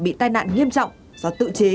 bị tai nạn nghiêm trọng do tự chế